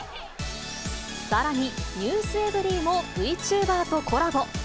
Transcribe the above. さらに、ｎｅｗｓｅｖｅｒｙ．もＶチューバーとコラボ。